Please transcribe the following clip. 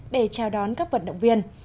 để chào đón các vận động viên